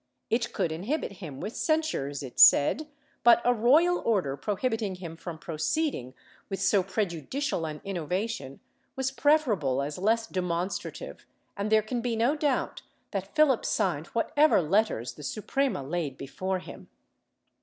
It could inhibit him with censures it said, but a royal order prohibiting him from proceeding with so pre judicial an innovation was preferable as less demonstrative, and there can be no doubt that Philip signed whatever letters the Suprema laid before him.